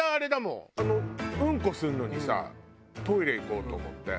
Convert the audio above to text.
うんこするのにさトイレ行こうと思って。